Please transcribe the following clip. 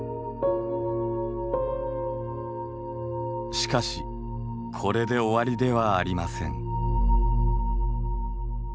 しかしこれで終わりではありません。